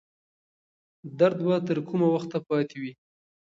درد به تر کومه وخته پاتې وي؟